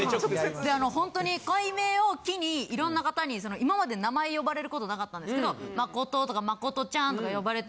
であのほんとに改名を機にいろんな方に今まで名前呼ばれることなかったんですけど誠とか誠ちゃんとか呼ばれて。